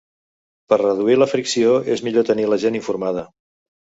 Per reduir la fricció, és millor tenir la gent informada.